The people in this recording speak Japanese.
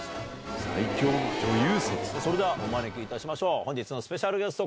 お招きいたしましょう本日のスペシャルゲスト